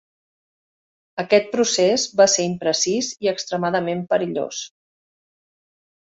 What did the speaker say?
Aquest procés va ser imprecís i extremadament perillós.